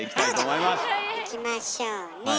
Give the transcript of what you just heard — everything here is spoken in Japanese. いきましょうね。